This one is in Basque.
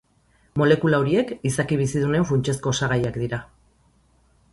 Molekula horiek izaki bizidunen funtsezko osagaiak dira.